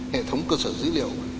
hệ thống cơ sở dữ liệu